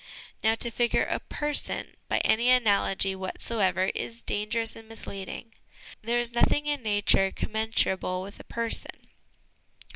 Now, to figure a person by any analogy whatsoever is dangerous and misleading ; there is nothing in nature commensurable with a person.